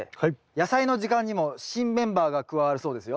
「やさいの時間」にも新メンバーが加わるそうですよ。